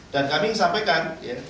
saya ingin menyampaikan